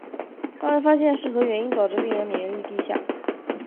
尚未发现是何原因导致病人免疫力低下。